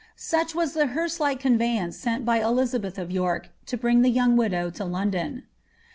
Such was the hearse like conveyance sent by Elizabeth of York to bring the troang widow to London.